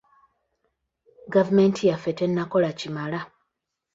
Gavumenti yaffe tannakola kimala.